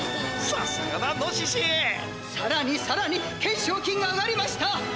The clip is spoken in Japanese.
「さらにさらにさらに懸賞金が上がりました！